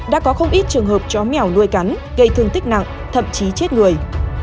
đã có không ít trường hợp chó mèo nuôi cắn gây thương tích nặng thậm chí chết người